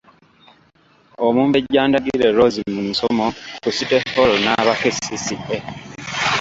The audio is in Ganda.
Omumbejja Ndagire Rose mu musomo ku City Hall n’aba KCCA.